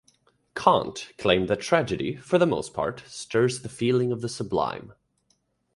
Kant claimed that tragedy, for the most part, stirs the feeling of the sublime.